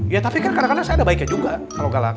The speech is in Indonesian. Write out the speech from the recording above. ya tapi kan kadang kadang saya ada baiknya juga kalau galak